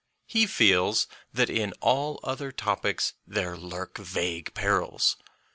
He feels that in all other topics there lurk vague perils.